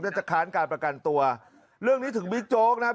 จะค้านการประกันตัวเรื่องนี้ถึงบิ๊กโจ๊กนะครับ